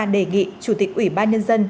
đề nghị chủ tịch ủy ban nhân dân